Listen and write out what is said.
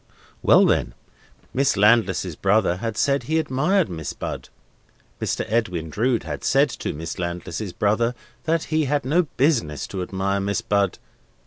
Well, then. Miss Landless's brother had said he admired Miss Bud. Mr. Edwin Drood had said to Miss Landless's brother that he had no business to admire Miss Bud.